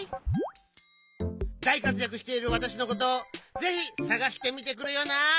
だいかつやくしているわたしのことをぜひさがしてみてくれよな。